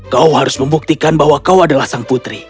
kau harus membuktikan bahwa kau adalah sang putri